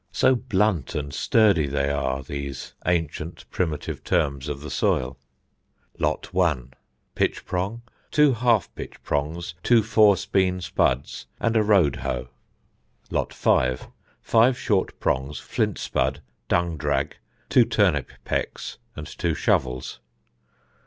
So blunt and sturdy they are, these ancient primitive terms of the soil: "Lot 1. Pitch prong, two half pitch prongs, two 4 speen spuds, and a road hoe. Lot 5. Five short prongs, flint spud, dung drag, two turnip pecks, and two shovels.